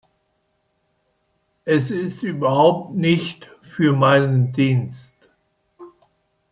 Es ist überhaupt nicht für meinen Dienst.